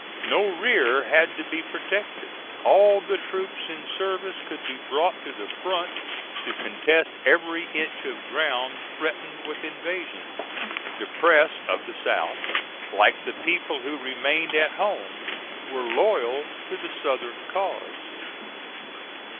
No rear had to be protected. All the troops in service could be brought to the front to contest every inch of ground threatened with invasion. The press of the South, like the people who remained at home, were loyal to the Southern cause.